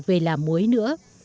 về làm muối nữa